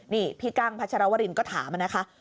นี่พี่กั้งพัชรวรินก็ถามนะคะ